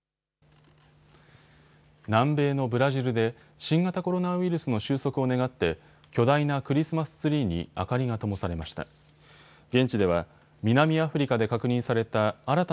南米のブラジルで新型コロナウイルスの収束を願って巨大なクリスマスツリーに明かりがともされました。